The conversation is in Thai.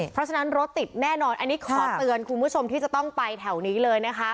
เพราะฉะนั้นรถติดแน่นอนอันนี้ขอเตือนคุณผู้ชมที่จะต้องไปแถวนี้เลยนะคะ